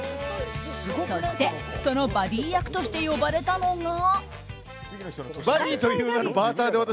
そして、そのバディー役として呼ばれたのが。